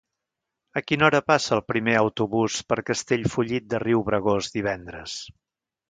A quina hora passa el primer autobús per Castellfollit de Riubregós divendres?